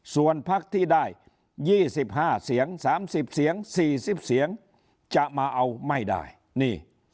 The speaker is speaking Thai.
ส่วนพักที่ได้๒๕เสียง๓๐เสียง๔๐เสียงจะมาเอาไม่ได้นี่